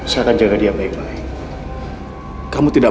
saya akan berubah pa sampai selesai ya